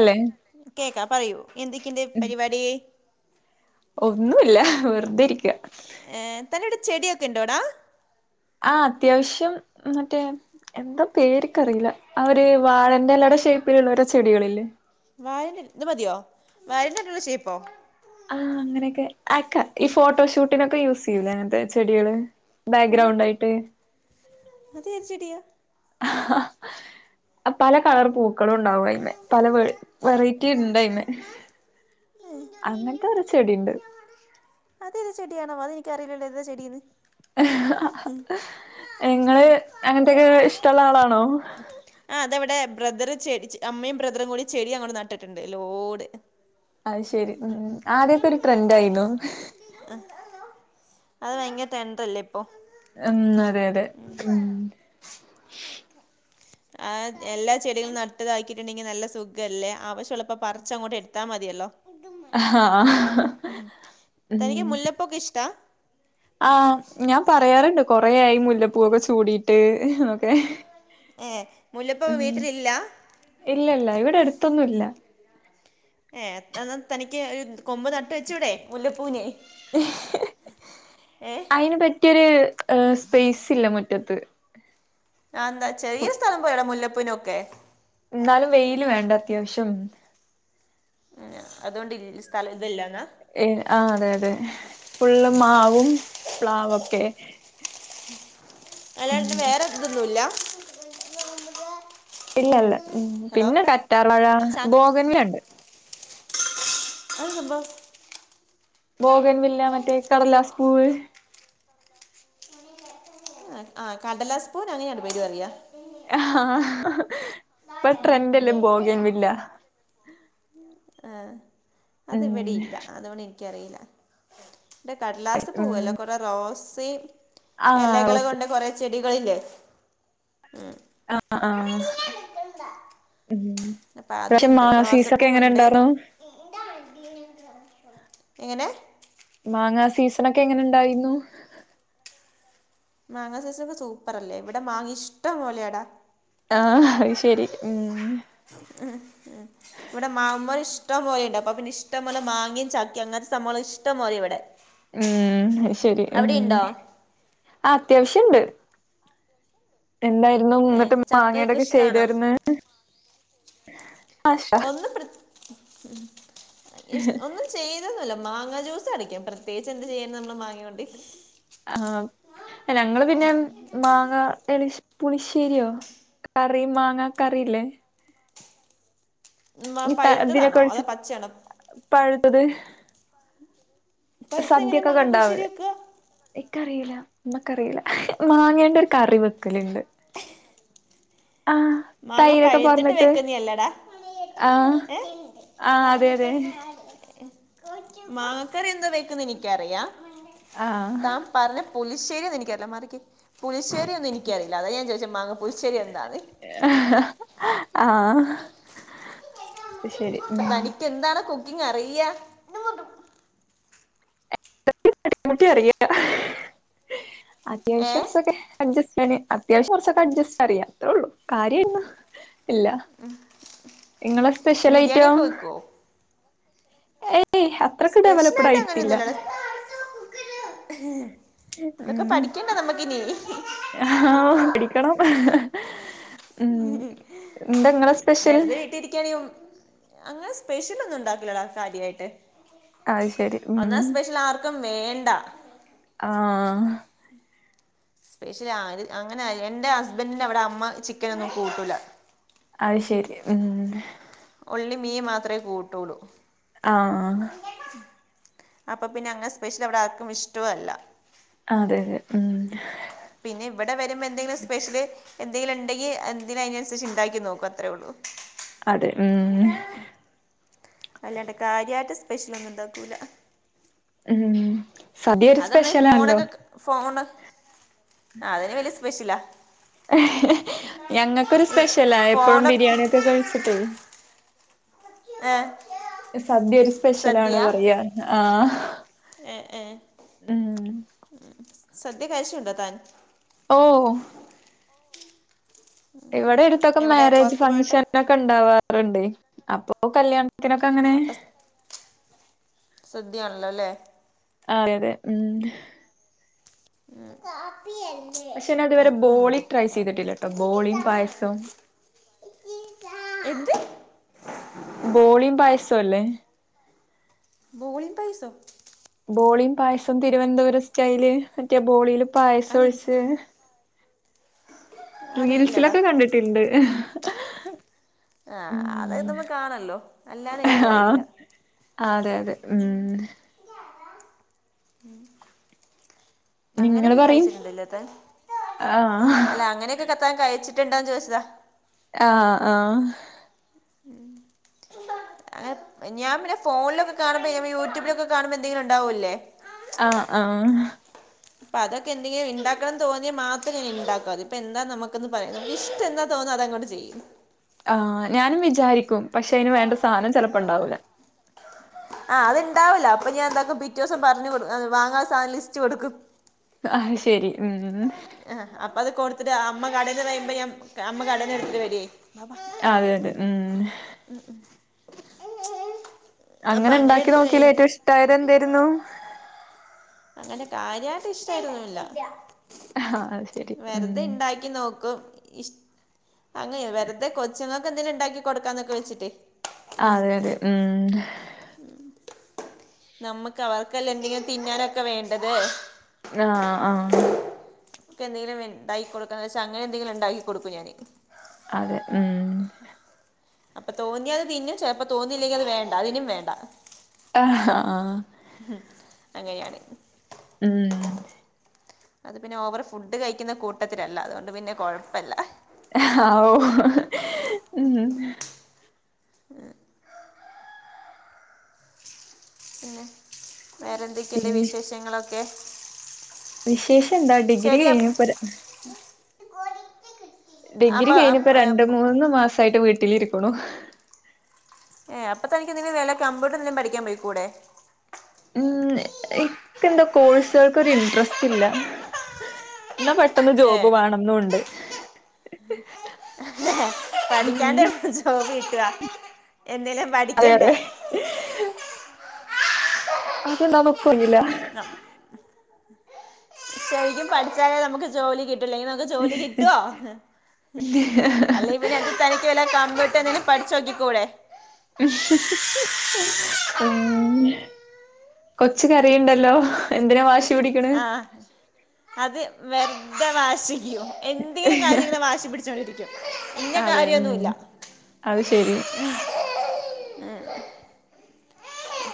അല്ലെ കേക്കാ പറയൂ എന്തൊക്കിണ്ട് പരിവാടി ഒന്നുല്ല വെറുതെ ഇരിക്ക ഏ തന്റോടെ ചെടിയൊക്കെ ഇണ്ടോടാ ആ അത്യാവശ്യം മറ്റേ എന്താ പേര്ക്കറിയില്ല അവര് വാഴന്റെ എലെടെ ഷേപ്പ് ള്ളോരാ ചെടികളില്ലേ വാഴേന്റെ ഇ ഇത് മതിയോ വാഴേന്റെ ഇലെടെ ഷേപ്പോ ആഹ് അങ്ങനൊക്കെ ആക്ക ഈ ഫോട്ടോഷൂട്ടിനൊക്കെ യൂസ് ചെയ്യൂല അങ്ങനത്തെ ചെടികള് ബാക്ക്ഗ്രൗണ്ട് പോട്ടെ ആയിട്ട് അതേത് ചെടിയ ഹ പല കളർ പൂക്കളും ഉണ്ടാവും അയിമേ പല വ വെറൈറ്റി ഇണ്ട് അയിന് അങ്ങന് ത്തെ ഒരോ ചെടിണ്ട് അതെത് ചെടിയണം അതെനിക്കറിയില്ലല്ലോ ഏതാ ചെടീന്ന് ങ്ങള് അങ്ങനത്തൊക്കെ ഇഷ്ടമുള്ള ആളാണോ ആ അതെവിടെ ബ്രദറ് ചെടിച്ചി അമ്മയും ബ്രദറും കൂടി ചെടി അങ്ങോട് നട്ടിട്ടുണ്ട് ലോട് അത് ശെരി ഉം ഉം ആദ്യൊക്കെ ഒരു ട്രെൻഡ് ആയിരുന്നു അത് ഭയങ്കര ടെണ്ട്റല്ലേ ഉം അതെ അതെ ഉം അ ആ എല്ലാ ചെടികളും നട്ടുതാക്കിയിട്ടുണ്ടെങ്കിൽ നല്ല സുഖല്ലേ ആവശ്യമുള്ളപ്പോൾ പറച്ചങ്ങോട്ട് എടുത്താൽ മതിയല്ലോ ആഹ് തനിക്ക് മുല്ലപ്പൊക്കെ ഇഷ്ടാ ആ ഞാൻ പറയാറുണ്ട് കൊറെയായി മുല്ലപ്പൂവൊക്കെ ചൂടിട്ട് എന്നൊക്കെ ഏ മുല്ലപ്പ വീട്ടിലില്ല എടുത്തൊന്നുംല്ല ഏ എന്ന തനിക്ക് ഒരു കൊമ്പ് നട്ട് വെച്ചുടെ മുല്ലപ്പൂന് അയ്ൻ ന് പറ്റിയൊരു ഏ സ്പേസ് ഇല്ല മു റ്റത്ത് എന്താ ചെറിയ സ്ഥലം പോയടാ മുല്ലപ്പൂനൊക്കെ എന്നാലും വെയിൽ വേണ്ട അത്യാവശ്യം ഉ അതുകൊണ്ട് സ്ഥലം ഇതല്ലാ എ ആ അതെ അതെ ഫുള്ള് മാവും പ്ലാവൊ ക്കെ അല്ലന് വേറെതൊന്നും ഇല്ല ഇല്ലല്ല ഹലോ പിന്നെ കറ്റാറ വഴ ചാക്ക് ബോഗന്മുണ്ട് അ ഹബ മോഗൻ വില്ല മറ്റേ കടലാസ് പൂവ് ആ കടലാസ്പൂ അങ്ങനെ ഞാൻ പേടി പറയ ആ ഇപ്പൊ ട്രെൻഡ എല്ലാം പോകേൻ വില്ല. ഏ അത് ഉം ഇവിടെയില്ല അതോണ എനിക്കറിയില്ല. ഇ കട്ലാസ് ഉം പൂവല്ലോ കുറെേ റോസ് ആഹ് ഇലകൾ റോസ് കൊണ്ട് കുറെേ ചെടികളല്ലേ ഉം ആ ആ ഉ അപ്പം പക്ഷെ അതുണ്ട് മാസീസ് ഒക്കെ എങ്ങനെ റോസപ്പൂവുണ്ട് ഇണ്ടായിരുന്നു എങ്ങനെ മാങ്ങാ സീസൺൊക്കെ എങ്ങനെ ഇണ്ടായിരുന്നു മാങ്ങാ സൂപ്പറല്ലേ സൂപ്പർ അല്ലേ ഇവിടെ മാങ്ങ ഇഷ്ടം പോലെ അടാ ആ അ ശെരി ഉ ഉ ഉ ഇവിടെ മാമ്മർ ഇഷ്ടം പോലെണ്ട് അപ്പൊ പിന്നെ ഇഷ്ടം പോലെ മാങ്ങിയയും ചാക്ക അങ്ങനത്തെ നമ്മളിഷ്ടം പോലെ ഇവിടെ ഉം ശരി ഉ അവിടെ ഉണ്ടോ ആ അത്യാവശ്യുണ്ട് എന്തായിരുന്നു ഏ മുന്നിട്ട് ചക്കയൊക്കെ മാങ്ങടൊക്കെ ഇഷ്ടമാണോ ചെയ്തുന്ന് ഒന്ന് ഒന്നും ചെയ്തന്നല്ല മാങ്ങ ജ്യൂസ് അടിക്കും പ്രത്യേകിച്ച് എന്ത് ചെയ്യും നമ്മള് മാങ്ങണ്ടി ആ ഞങ്ങള് പിന്നെ മാങ്ങ എള പുളിശ്ശേരിയോ കറി മാങ്ങ കറില്ലേ മാ- ഇ ഇതിനെ പഴുത്തതാണോ അതോ കുറിച്ച് പച്ചയാണോ പഴുത്തത് പഴുത്ത എങ്ങനെ സദ്യക്കെ മാങ്ങ പുളിശ്ശേരി കണ്ടാവലേ വെക്കുക എക്കറിയില്ല നമക്കറിയില്ല മാങ്ങേണ്ട ഒരു കറി വെക്കലുണ്ട് ആഹ് മാങ്ങ തൈരൊക്കെ പഴുത്തിട്ട് പാർന്നിട്ട് വെക്കുന്ന അല്ലേടാ ആഹ് ഏ ആഹ് അതെ അതെ [unintelligible] മാങ്ങക്കറി എന്താ വെക്കന്ന് എനിക്കറിയാ ആഹ് താൻ പറഞ്ഞ പുളി്ശേരി ഒന്ന എനിക്കറല്ല മറിക്ക് പുശ്ശേരി ഒന്നും എിക്കറിയില്ല അതെ ഞാൻ ചോിച്ച മാങ്ങ പുശ്ശേരി എന്താാണ് ആഹ ആ അപ്പ തനിക്ക് എന്താണ് കുക്കിങ് അറിയ [unintelligible] ഏ അത്യാവശ്യം അഡ്ജസ്റ്റ് അത്യാവശ്യം [unintelligible] അറിയാത്രേ ഉള്ളൂ കാര്യാ ഇല്ല നിങ്ങളെ സ്പെഷ്യൽ ബിരിയാണി ഐറ്റോ ഒക്കെ വെക്കുവോ ഏയ് അത്രക്ക ഡെവലപ്ഡ് സ്പെഷ്യലായിട്ട് ആയിട്ടില്ല അങ്ങനെയൊന്നുമില്ലല്ലോ ഇതൊക്കെ ഉ പഠിക്കണ്ട നമുക്കിനി ആ പടിക്കണം ഉ എന്താങ്ങളെ സ്പെഷ്യൽ വെറുതെ വീട്ടിലിരിക്കുകയാണെങ്കിൽ അങ്ങനെ സ്പെഷ്യൽ ഒന്നും ഉണ്ടാക്കലടാ കാര്യായിട്ട് അത് ശരി ഉം ഒന്നാ സ്പെഷ്യൽ ആർക്കും വേണ്ട ആഹ സ്പെഷ്യല ആര് അങ്ങനെ എൻറെ ഹസ്ബൻഡറിന്റെ അവിടെ അമ്മ ചിക്കന ഒന്നും കൂട്ടൂല അത് ശെരി ഉം ഒള്ളി മീൻ മാത്രമേ കൂട്ടുള്ളൂ ആഹ അപ്പൊ പിന്നെ അങ്ങനെ സ്പെഷ്യൽ അവിടെ ആർക്കും ഇഷ്ടവും അല്ല അതെ അതെ ഉം പിന്നെ ഇവിടെ വരുമ്പോ എന്തെങ്കിലും സ്പെഷ്യലി എന്തെങ്കിലും ഉണ്ടെങ്കിൽന്തിനനുസരിച്ച് ഉണ്ടാക്കി നോക്കും അത്രേയള്ളൂ അതെ ഉം അല്ലാണ്ട കാര്രിയമായിട്ട് സ്പെഷ്യലൊന്നും ഉണ്ടാക്കൂല ഉം സദ്യൊ ഒരു അത് നമ്മൾ ഈ സ്പെഷ്യലാണല്ലോ ആ അതിന് വല്ിയ സ്പെഷ്യലാ [unintelligible] ഞങ്ങൾക്കൊരു ഈ സ്പെഷ്യലാ എപ്പോഴും ഫോണൊക്കെ ബിരിയാണിൊക്കെ കഴിച്ചിട്ടേ ആഹ് സദ്യൊ ഒരു സ്പെഷ്യലാണ് പറയാ ആ ഏ ഏ ഉ സദ്യ കഴിച്ചിട്ടുണ്ടോ താൻ ഓ ഇവിടെ എടുത്തൊക്കെ എവിടെ മാരേജ് പുറത്ത് പോയിട്ട് ഫംഗഷന ഒക്കെ ഉണ്ടാവാറുണ്ട് അപ്പോൊ കല്യാണം [unintelligible] അങ്ങനെ സദ്യയാണല്ലോല്ലേ അതെതെ ഉം ഉ പക്ഷെ അതുവരെ ബോളി ട്രൈ കാപ്പി ചെയ്തിട്ടില്ലട്ടോ ബോളിയും പായസവും ട്ട [unintelligible] ബോളിയും പായസമല്ലേ ബോളി പയിസൊ ബോളിയും പായസം തിരുവനന്തപുരം സ്റ്റൈല് മറ്റേ ബോളിയില് പായസം അതെനിക്ക് ഒഴിച്ച് അറിയില്ലടാ റീൽസിലൊക്കെ കണ്ടിട്ടുണ്ട് ആഹ അത് ഉം നമ്മ കാണല്ലോ അല്ലാനും ആഹ് എനിക്കറിയില്ല അതെ അതെ ഉം [unintelligible] നിങ്ങള് അങ്ങനെയൊക്കെ പറയും കഴിച്ചിട്ടുണ്ടല്ലേത്തൻ ആഹ് അല്ല അങ്ങനൊക്കെ ത്താൻ കഴിച്ചിട്ട്ണ്ടാ ചോദിച്ചതാ ആഹ ആഹ [unintelligible] അ ഞാൻന്നെ ഫോണിലൊക്കെ കാണുമ്പോ ഞ യൂട്യൂബിലൊക്കെ കാണുമ്പോ എന്തെങ്കിലും ഉണ്ടാവല്ലേ ആഹ ആഹ അപ്പൊ അതൊക്കെ എന്തെങ്കില ഉണ്ടാക്കണംന്ന് തോന്നിയാ മാത്രം ഞാന് ഉണ്ടാക്കാതി ഇപ്പൊ എന്താ നമുന്ന് പറയുന്നത് ഇഷ്ട എന്താ തോന്ന അതങ്ങോ് ചെയ്യുന്നു ആ ഞാനും വിചാരിക്കും പക്ഷെ അതിന് വേണ്ട സാധനം ചെിലപ്പോ ഉണ്ടാവൂല ആഹ് അത് ഉണ്ടാവൂില്ല അപ്പൊ ഞാൻ എന്താക്കും പിറ്റ ദിവസം പറഞ്ഞു കൊ വാങ്ങാ സാധം ലിസ്റ്റ് കൊടുക്കും ആഹ ശരി ഉം ആ അപ്പ അത് കൊടുത്തിട്ട് അമ്മ കടന്ന് പറയുമ്പോ ഞാ അമ്മ കടന്ന് എടുത്തിട്ട് വരുേ അതെ അതെ ഉം അപ്പൊ അങ്ങനെ ഉണ്ടാക്കി എടുത്തിട്ട് നോക്കീല്ലേ വരും ഏറ്റവും ഇഷ്ടായത് എന്തായിരുന്നു അങ്ങനെ കാര്യമായിട്ട ഇഷ്ടമായിട്ടൊന്നുമല്ല ആഹ് അത് ശരി ഉം വെറുതെ ഇണ്ടാക്കി നോക്കും ഇഷ അങ്ങനെ വെറുതെ കൊച്ചുങ്ങൊക്ക എന്തെങ്കിലും ഉണ്ടാക്കി കൊടുക്കാന്നൊക്കെ വെച്ചിട്ടേ അതെ അതെ ഉം നമ്മുക്ക് അവർക്കല്ലാം എന്തെങ്കിലും തിന്നാനൊക്കെ വേണ്ടത് ആഹ ആഹ െ എന്തെങ്കില ഉണ്ടായി കൊടുക്കാ എന്ന് വെച്ചാ അങ്ങനെ എന്തെങ്കിലും ഉണ്ടാക്കി കൊടുക്കുംഞാന് അതെ ഉം അപ്പൊ തോന്നി അത് തിന്നു ചിലപ്പോ തോന്നിയില്ലെങ്കിൽ അത് വേണ്ട അതിനും വേണ്ട ആഹ ആ അങ്ങനെയാണ് ഉം അത് പിന്നെ ഓവർ ഫുഡ് കഴിക്കുന്ന കൂട്ടത്തിലല്ല അതുകൊണ്ട് പിന്നെ കൊഴപ്പല്ല ആ ഉം [inaudible] പിന്നെ വേറെന്തെക്കെണ്ട് വിശേഷങ്ങളൊക്കെ വിശേഷന്താ ഡിഗ്രി ശരി കഴിഞ്ഞുപ്പതാ അപ്പ ഡിഗ്രി കഴിഞ്ഞുപ്പൊ അപ്പം രണ്ട്മൂന്ന് മാസായിട്ട് വീട്ടിലിരിക്കുണു ഏ അപ്പൊ തനിക്ക് എന്തേലും വല്ല കമ്പ്യൂട്ട്രന്തേലും പഠിക്കാൻ പൊയിക്കൂടെ ഇക്കെന്തോ കോഴ്സൾക്കൊരു ഇൻട്രസ്റ്റ് ഇല്ല ന്നാ പെട്ടെന്ന് ഏ ജോബ് വേണംന്നൂണ്ട് [inaudible] പഠിക്കാണ്ട് ഉം [unintelligible] ജോബ് കിട്ട്അ എന്തേലും അതെ പഠിക്കണ്ടേ അതെ [unintelligible] അത്ണ്ടോന്ന് [unintelligible] നം- ശരിക്കും പഠിച്ചാലേ നമുക്ക് ജോലി കി ഇല്ലെങ്കി നമുക്ക് ജോലി കിട്ടോ അല്ലേ പിന്നെ തനിക്ക് വല്ല കമ്പ് ക്കെന്തേലും പഠ്‌ച്ചോക്കിക്കൂടെേ ഉം കൊച്ച് കരയ്ണ്ടല്ലോ എന്തിനാ വാ ശ് ആഹ് അത് വെർതെ വാശി [unintelligible] എന്തേലും കാര്യങ്ങനെ വാശി പിടിച്ചോണ്ടിരിക്കും ഇന്ന അതെ ഉം കാര്യെന്നൂല്ല അത് ശെരി ഏ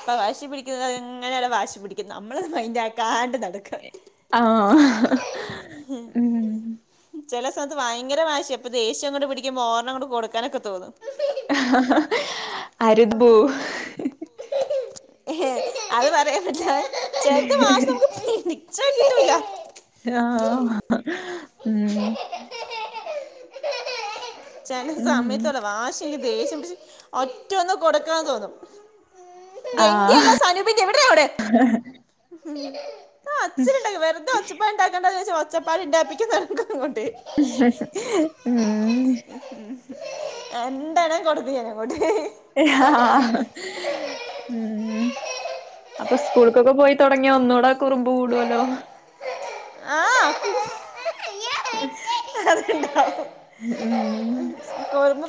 പ്പൊ വാശി പിടിക്കുന്നത് ങ്ങനാടെ വാശി പിടിക്കും നമ്മള് മൈൻഡാക്കാണ്ട് നടക്ക ആഹ് ഹ് ഹ് ഹ് ചെലെ സമയത്ത് വയങ്കര വാശ്യ ഇപ്പൊ ദേഷ്യങ്ങോണ്ട് പിടിക്കുമ്പോ ഒരെണ്ണങ് കൊട്ക്കാനൊക്കെ തോന്നും [unintelligible] അരുത്ഭൂ അത് പറയാൻ പറ്റ്‌ല ചെല്ത് മാസമക്ക് പിടിച്ചാ കിട്ടൂല ആഹ് മ് [unintelligible] ചെലെ സമയത്തോരോ വാശി ഇൻക്ക് ദേഷ്യം പിട്ച്ച് ഒറ്റൊന്ന് കൊടുക്കാൻ തോന്നും ഇതെൻ്റ്യല്ല ആഹ് സനൂപിന്റെയ വിടറിയങ്ങോട്ട് ആ അച്ചന്ണ്ടല്ലോ വെറ്തെ ഒച്ചപ്പാട് ഇണ്ടാക്കണ്ടാ വിചാരിച്ച് ഒച്ചപ്പാട് ഇണ്ടാക്കിപ്പിക്കുന്നണക്ക് ഉം എന്താണ് കൊട്ത്തെടീ അയ്നങ്ങോട്ട് ആഹ് ഉം അപ്പൊ സ്കൂൾക്കൊക്കെ പോയിത്തൊടങ്ങിയാ ഒന്നൂടെ കുറുമ്പ് കൂട്വോലോ ആ ഉ കെതക്ക്ണ്ടോ ഉം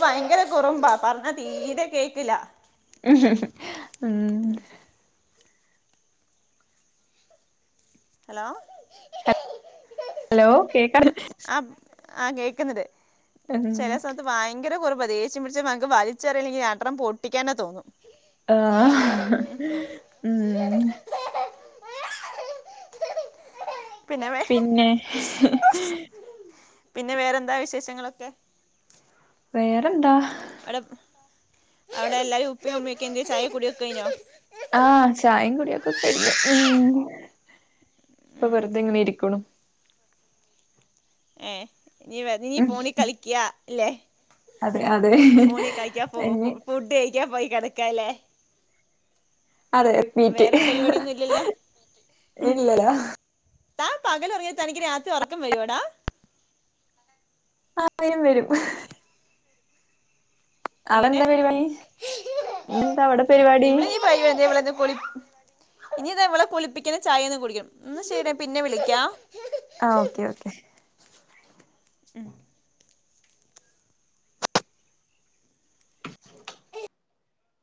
ഭയങ്കര കുറുമ്പാ പറഞ്ഞാ തീരെ കേക്ക്ല്ലാ ഉം ഹലോ ഹലോ കേക്കാ ഹലോ ആ ആ കേൾക്ന്ന്ണ്ട് ചെലേ സമയത്ത് ഭയങ്കര ഒരു പ്പൊ ദേഷ്യം പിടിച്ചാ പ്പൊ അൻക്ക് വൽച്ചെറ്യല്ലെങ്കി രണ്ട്രണം പൊട്ടിക്കാന് തോന്നും ആഹ് ഹ് മ് മ് പിന്നെ വേ പിന്നെ പിന്നെ വേറെന്താ വിശേഷങ്ങളൊക്കെ? വേറെന്താ? അവ്ടെ അവ്ടെ എല്ലാരും ഉപ്പിം ഉ ഉമ്മ്യൊക്കെ എന്ത്യേ ചായ കുടി ഒക്കയിഞ്ഞോ? ആഹ് ചായിം കുട്യൊക്കെ കഴിഞ്ഞു മ്... ഇപ്പൊ ഉം വെർതെങ്ങനെ ഇരിക്ക്‌ണു ഏ ഞ്ഞിവെ ഞ്ഞി ഉം ഫോണീ കളിക്ക്യാല്ലേ അതെ അതെ ഫോണീകളിക്ക്യാ ഫോ ഫോ ഇനി ഫുഡ് ക്കാ പോയി കെടക്ക്യാല്ലേ അതെ റിപ്പീറ്റ് വേറെ പരിപട്യോന്നുല്ലല്ലോ ഹും ഇല്ലല്ല താ പകലൊർങ്യാ തനിക്ക് രാത്രി ഒറക്കം വരോടാ ആഹ് വെരും വെരും എങ്ങനേ പരിപാടി ഇന്നെന്താ അവിടെ പരിപാടി ഇവിടെ നീ ഇവടെന്ന് പൊളി ഇനി താ ഇവളെ കുളിപ്പിക്കണം. ചായൊക്കെ കുടിക്കും. ന്നാ ശെരി ഞാ പിന്നെ വിളിക്കാ ആഹ് ഓക്കെ ഓക്കെ മ്